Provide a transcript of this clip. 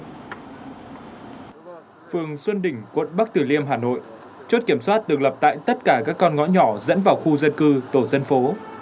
phường xuân đỉnh quận bắc tử liêm hà nội chốt kiểm soát được lập tại tất cả các con ngõ nhỏ dẫn vào khu dân cư tổ dân phố